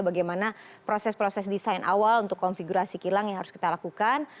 bagaimana proses proses desain awal untuk konfigurasi kilang yang harus kita lakukan